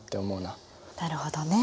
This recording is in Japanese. なるほどね。